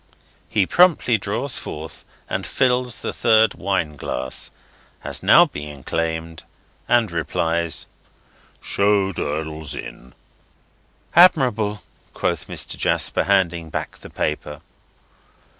He promptly draws forth and fills the third wineglass, as being now claimed, and replies, "Show Durdles in." "Admirable!" quoth Mr. Jasper, handing back the paper.